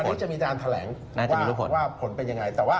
วันนี้จะมีความอำนวยโจทย์เเหลงว่าผลเป็นยังไง